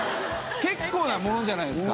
結構なものじゃないですか。